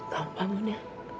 kamu bangun ya